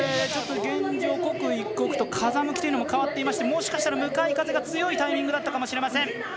現状、刻一刻と風向きも変わっていましてもしかしたら向かい風が強いタイミングだったかもしれません。